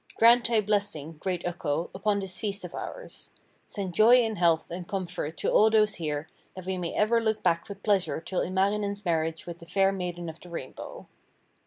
Grant thy blessing, great Ukko, upon this feast of ours. Send joy and health and comfort to all those here, that we may ever look back with pleasure to Ilmarinen's marriage with the fair Maiden of the Rainbow.'